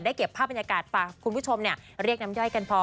ได้เก็บผ้าบรรยากาศฟ้าคุณผู้ชมเนี่ยเรียกน้ำย่อยกันพอ